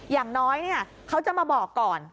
อย่างน้อยเขาจะมาบอกก่อน